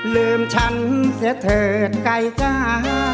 ลืมฉันเสียเถิดไกลจ้า